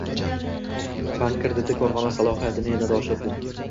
Bank krediti korxona salohiyatini yanada oshirding